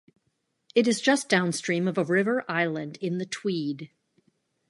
It is just downstream of a river island in the Tweed.